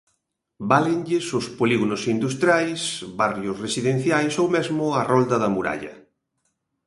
Válenlles os polígonos industriais, barrios residenciais ou mesmo a Rolda da Muralla.